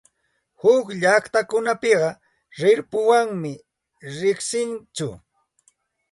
Huk llaqtakunapiqa rirpuwanmi riqsinku.